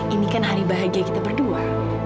ini kan hari bahagia kita berdua